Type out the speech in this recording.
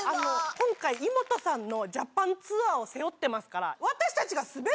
今回イモトさんの「ジャパンツアー」を背負ってますから。